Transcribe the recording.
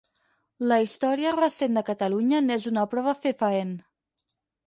La història recent de Catalunya n'és una prova fefaent.